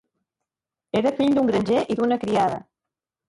Era fill d'un granger i d'una criada.